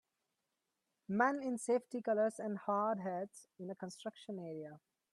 Men in safety colors and hard hats in a construction area.